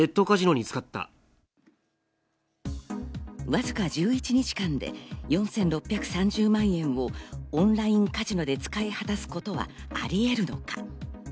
わずか１１日間で４６３０万円をオンラインカジノで使い果たすことがあり得るのか？